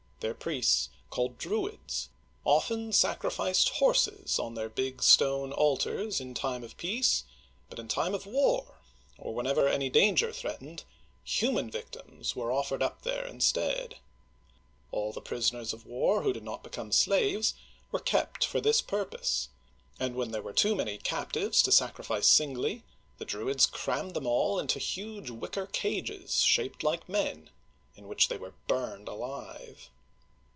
Their priests, called Dru'ids, often sacrificed horses on their big stone altars in time of peace ; but in time of war, or whenever any danger threatened, human victims were offered up there instead. All the prisoners of war who did not become uigitizea oy vjiOOQlC THE GAULS 17 slaves were kept for this purpose, and when there were too many captives to sacrifice singly, the Druids crammed them all into huge wicker cages, shaped like men, in which they were burned alive.